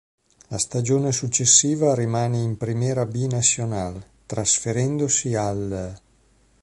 La stagione successiva rimane in Primera B Nacional, trasferendosi all'.